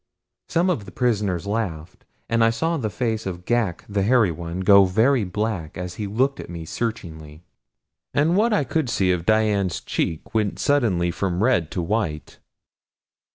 Some of the prisoners laughed, and I saw the face of Ghak the Hairy One go very black as he looked at me searchingly. And what I could see of Dian's cheek went suddenly from red to white.